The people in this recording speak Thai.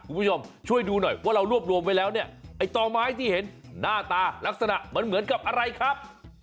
คุณผู้ชมช่วยดูหน่อยว่าเรารวบรวมไปแล้วต่อไม้ที่เห็นหน้าตาลักษณะเหมือนกับอะไรครับ